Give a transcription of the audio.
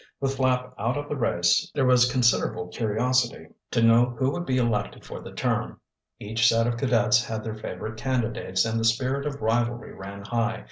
With Flapp out of the race there was considerable curiosity to know who would be elected for the term. Each set of cadets had their favorite candidates and the spirit of rivalry ran high.